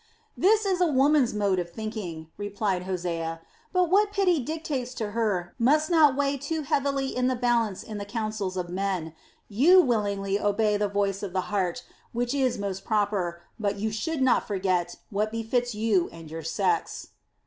"That is a woman's mode of thought," replied Hosea; "but what pity dictates to her must not weigh too heavily in the balance in the councils of men. You willingly obey the voice of the heart, which is most proper, but you should not forget what befits you and your sex."